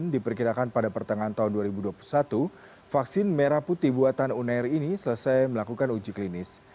diperkirakan pada pertengahan tahun dua ribu dua puluh satu vaksin merah putih buatan unair ini selesai melakukan uji klinis